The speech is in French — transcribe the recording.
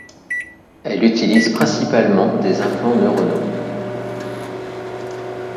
Elle utilise principalement des implants neuronaux.